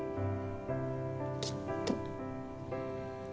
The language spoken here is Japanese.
きっと。